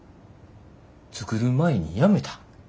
作る前に辞めた。